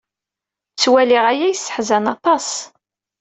Ttwaliɣ aya yesseḥzan aṭas.